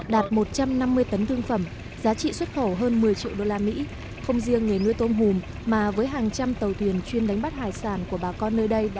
đạt một trăm năm mươi tấn thương phẩm giá trị xuất khẩu hơn một mươi triệu đô la mỹ không riêng người nuôi tôm hùm mà với hàng trăm tàu thuyền chuyên đánh bắt hải sản của bà con nơi đây